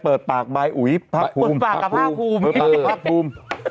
เปิดปากกับภาพภูมิ